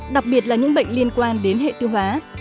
đặc biệt là những bệnh liên quan đến hệ tiêu hóa